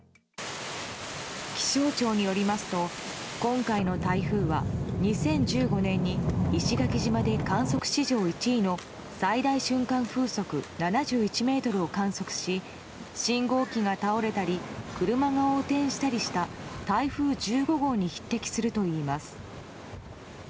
気象庁によりますと今回の台風は２０１５年に石垣島で観測史上１位の最大瞬間風速７１メートルを観測し信号機が倒れたり車が横転したりした台風１５号に匹敵するといいます。